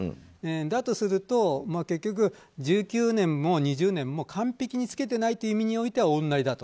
だとすると結局、１９年も２０年も完璧につけてないという意味においては同じだと。